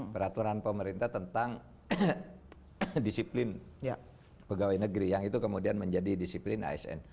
peraturan pemerintah tentang disiplin pegawai negeri yang itu kemudian menjadi disiplin asn